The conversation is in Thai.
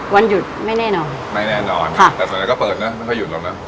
วันหยุดไม่แน่นอนไม่แน่นอนค่ะแต่ส่วนใหญ่ก็เปิดนะไม่ค่อยหยุดหรอกเนอะ